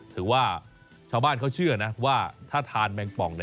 ถือว่าชาวบ้านเขาเชื่อนะว่าถ้าทานแมงป่อง